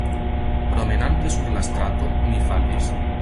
Promenante sur la strato, mi falis.